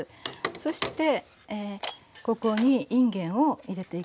そしてここにいんげんを入れていきます。